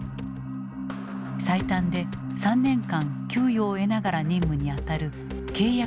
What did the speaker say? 最短で３年間給与を得ながら任務にあたる契約軍人。